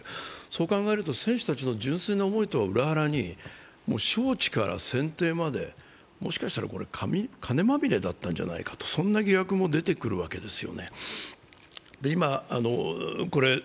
そう考えると選手たちの純粋な思いとは裏腹に、招致から選定まで、もしかしたらカネまみれだったんじゃないかとそんな疑惑も出てくるわけですよね。